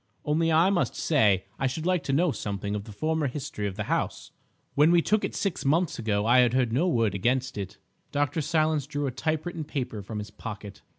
Only I must say I should like to know something of the former history of the house. When we took it six months ago I heard no word against it." Dr. Silence drew a typewritten paper from his pocket.